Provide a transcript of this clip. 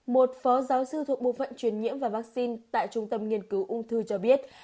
một phó giáo sư thuộc bộ phận truyền nhiễm và vaccine tại trung tâm nghiên cứu ung thư cho biết